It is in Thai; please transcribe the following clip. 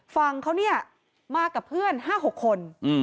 ฝั่งเขามากับเพื่อน๕๖คน